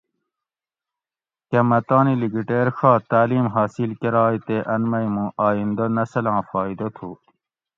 کہ مہ تانی لِکیٹیر ڛا تعلیم حاصل کرائے تہ ان مئی مُوں آئیندہ نسلاں فائیدہ تُھو